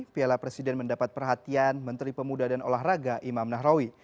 piala presiden mendapat perhatian menteri pemuda dan olahraga imam nahrawi